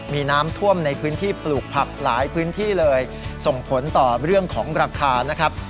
มีน้ำท่วมในพื้นที่ปลูกผักหลายพื้นที่เลยส่งผลต่อเรื่องของราคานะครับ